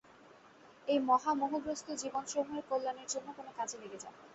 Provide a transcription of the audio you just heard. এই মহামোহগ্রস্থ জীবসমূহের কল্যাণের জন্য কোন কাজে লেগে যা।